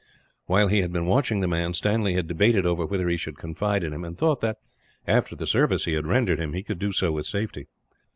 While he had been watching the man, Stanley had debated over whether he should confide in him; and thought that, after the service he had rendered him, he could do so with safety.